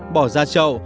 bỏ ra chậu